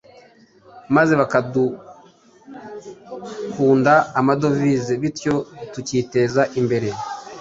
maze bakaduhunda amadovize, bityo tukiteza imbere.